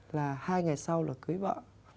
là hai ngày sau là cưới vợ